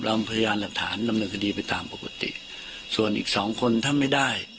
พยานหลักฐานดำเนินคดีไปตามปกติส่วนอีกสองคนถ้าไม่ได้